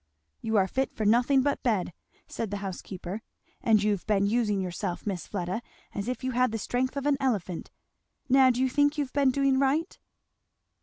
"You are fit for nothing but bed," said the housekeeper, "and you've been using yourself, Miss Fleda, as if you had the strength of an elephant. Now do you think you've been doing right?"